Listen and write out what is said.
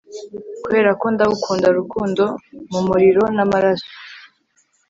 Kuberako ndagukunda Rukundo mumuriro namaraso